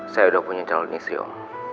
saya udah punya calon istri om